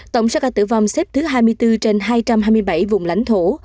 tổng số ca tử vong xếp thứ hai mươi bốn trên hai trăm hai mươi bảy vùng lãnh thổ